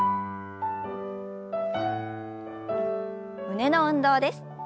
胸の運動です。